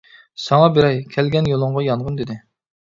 ساڭا بېرەي، كەلگەن يولۇڭغا يانغىن، -دېدى.